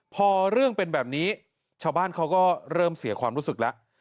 พอเรื่องเป็นแบบนี้ชาวบ้านเขาก็เริ่มเสียความรู้สึกแล้ว